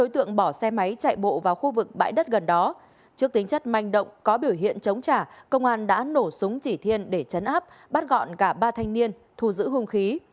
thù giữ hùng khí